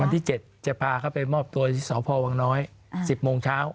วันที่๗จะพาเข้าไปมอบตัวที่สพวน๑๐โมงเช้า